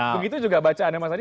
begitu juga bacaannya mas adi